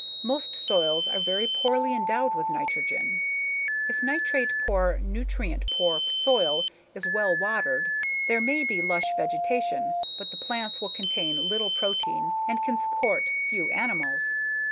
Most soils are very poorly endowed with nitrogen. If nitrate poor, nutrient poor soil is well watered there may be lush vegetation but the plants will contain little protein and can support few animals.